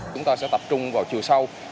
chúng ta sẽ tập trung vào chiều sau